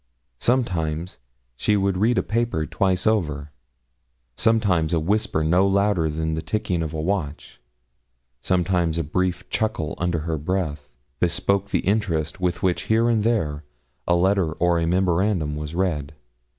Sometimes she would read a paper twice over; sometimes a whisper no louder than the ticking of a watch, sometimes a brief chuckle under her breath, bespoke the interest with which here and there a letter or a memorandum was read.